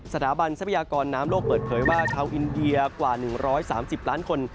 ทรัพยากรน้ำโลกเปิดเผยว่าชาวอินเดียกว่า๑๓๐ล้านคน